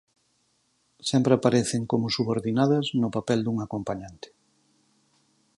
Sempre aparecen como subordinadas no papel dun acompañante.